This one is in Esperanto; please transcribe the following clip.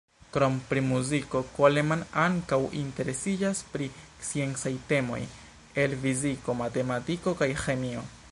Krom pri muziko Coleman ankaŭ interesiĝas pri sciencaj temoj el fiziko, matematiko kaj ĥemio.